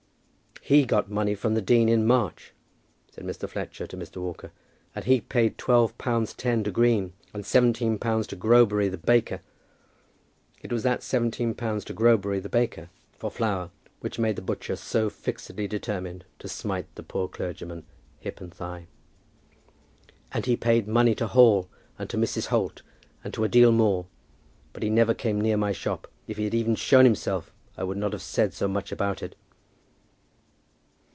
"He got money from the dean in March," said Mr. Fletcher to Mr. Walker, "and he paid twelve pounds ten to Green, and seventeen pounds to Grobury, the baker." It was that seventeen pounds to Grobury, the baker, for flour, which made the butcher so fixedly determined to smite the poor clergyman hip and thigh. "And he paid money to Hall, and to Mrs. Holt, and to a deal more; but he never came near my shop. If he had even shown himself, I would not have said so much about it."